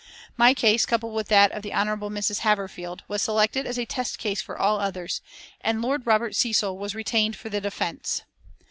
My case, coupled with that of the Hon. Mrs. Haverfield, was selected as a test case for all the others, and Lord Robert Cecil was retained for the defence.